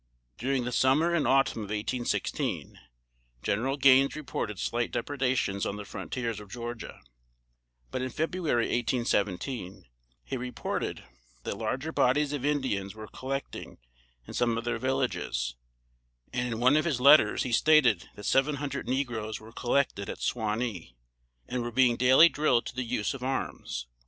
During the summer and autumn of 1816, General Gaines reported slight depredations on the frontiers of Georgia, but in February, 1817, he reported that larger bodies of Indians were collecting in some of their villages; and in one of his letters he stated that seven hundred negroes were collected at Suwanee, and were being daily drilled to the use of arms.